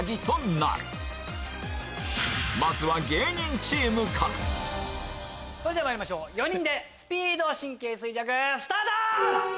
なおチーム内でまいりましょう４人でスピード神経衰弱スタート！